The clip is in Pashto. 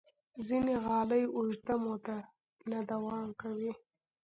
ځینې غالۍ اوږده موده نه دوام کوي.